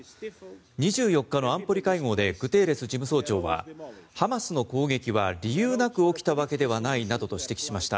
２４日の安保理会合でグテーレス事務総長はハマスの攻撃は理由なく起きたわけではないなどと指摘しました。